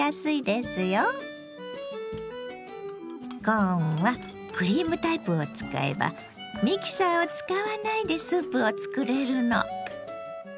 コーンはクリームタイプを使えばミキサーを使わないでスープを作れるの。